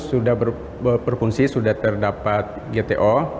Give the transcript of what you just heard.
sudah berfungsi sudah terdapat gto